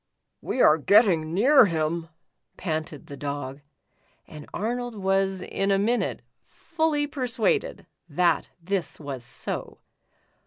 "We are getting near him," panted the Dog, and Arnold was in a minute fully persuaded that this was so.